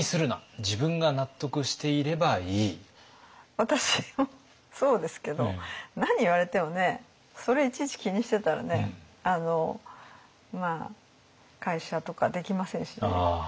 私もそうですけど何言われてもねそれいちいち気にしてたらね会社とかできませんしね。